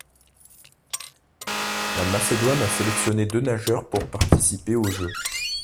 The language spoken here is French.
La Macédoine a sélectionné deux nageurs pour participer aux Jeux.